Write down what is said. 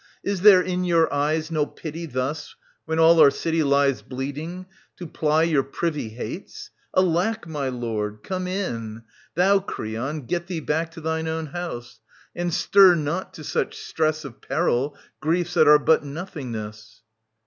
Is there in your eyes No pity, thus, when all our city lies Bleeding, to ply your privy hates ?... Alack, My lord, come in !— Thou, Creon, get thee back To thine own house. And stir not to such stress , Of peril griefs that are but nothingness.